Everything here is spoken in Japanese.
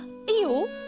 いいよ！